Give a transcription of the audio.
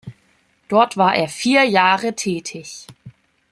Dort war er vier Jahre tätig.